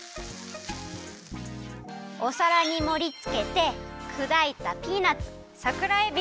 おさらにもりつけてくだいたピーナツさくらえび